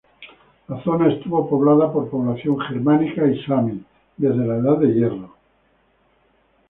La zona estuvo poblada por población germánica y sami desde la Edad del Hierro.